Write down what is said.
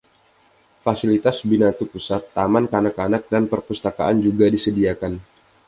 Fasilitas binatu pusat, taman kanak-kanak dan perpustakaan juga disediakan.